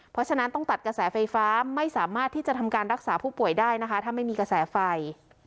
เพราะฉะนั้นต้องตัดกระแสไฟฟ้าไม่สามารถที่จะทำการรักษาผู้ป่วยได้นะคะถ้าไม่มีกระแสไฟ